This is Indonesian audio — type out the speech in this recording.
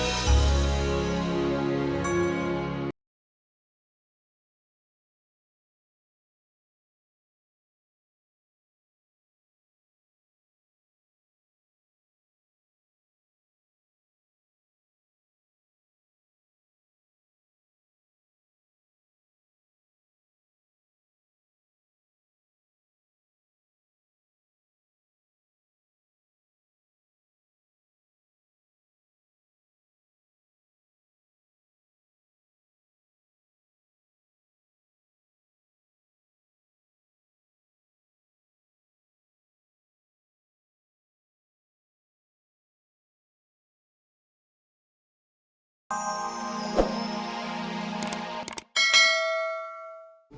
iya kamu tuh gak apa apa dianggap sama gavine